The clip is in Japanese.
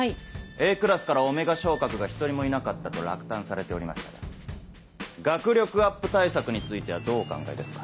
ＡクラスからΩ昇格が一人もいなかったと落胆されておりましたが学力アップ対策についてはどうお考えですか？